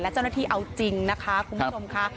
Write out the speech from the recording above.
เจ้าหน้าที่เอาจริงนะคะคุณผู้ชมค่ะ